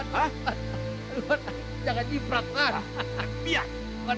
wan jangan jibrat wan